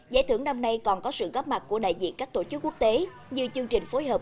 giải thưởng năm nay còn có sự góp mặt của đại diện các tổ chức quốc tế như chương trình phối hợp